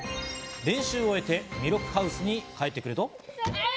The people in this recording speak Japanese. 練習を終えて弥勒ハウスに帰ってくると。